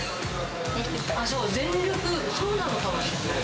そう、全力、そうなのかもしれない。